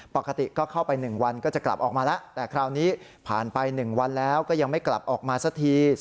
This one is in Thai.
ปกติก็เข้าไป๑วันก็จะกลับออกมาแล้วแต่คราวนี้ผ่านไป๑วันแล้วก็ยังไม่กลับออกมาสักที